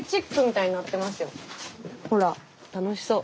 ほら楽しそう。